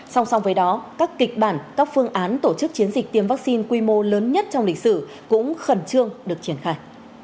song song với đó các kịch bản các phương án tổ chức chiến dịch tiêm vaccine quy mô lớn nhất trong lịch sử cũng khẩn trương được triển khai